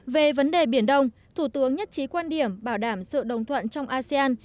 về vấn đề biển đông thủ tướng nhất trí quan điểm bảo đảm sự đồng thuận trong asean